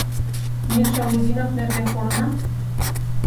Миша Лудинов нерген колынат?